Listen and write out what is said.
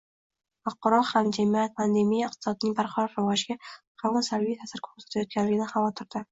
Xalqaro hamjamiyat pandemiya iqtisodning barqaror rivojiga hamon salbiy ta’sir ko‘rsatayotganidan xavotirdang